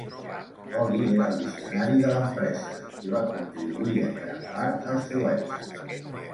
Holly era el visionari de l'empresa i va contribuir en gran part al seu èxit.